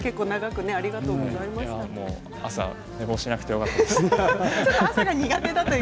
朝寝坊しなくてよかったです。